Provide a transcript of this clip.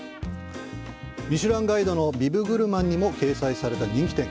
ミシュランガイドのビブグルマンにも掲載された人気店。